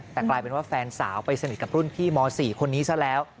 แต่กลายเป็นว่าแฟนสาวไปสนิทกับรุ่นพี่ม๔คนนี้ซะแล้ว